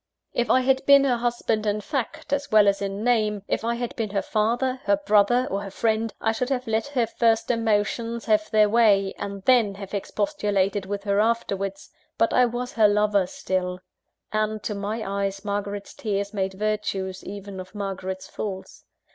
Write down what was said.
If I had been her husband in fact, as well as in name; if I had been her father, her brother, or her friend, I should have let her first emotions have their way, and then have expostulated with her afterwards. But I was her lover still; and, to my eyes, Margaret's tears made virtues even of Margaret's faults.